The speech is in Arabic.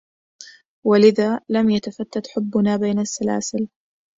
ولذا، لم يتفتَّتْ حبنا بين السلاسلْ